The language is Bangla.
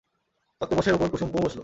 তক্তপোশের উপর কুমু বসল।